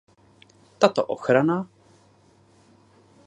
Tato ochrana znamenal pro hodinky několikanásobně větší odolnost než bylo běžné.